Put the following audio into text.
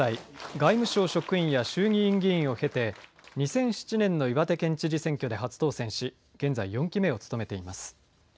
外務省職員や衆議院議員を経て２００７年の岩手県知事選挙で初当選し現在４期目を務めています。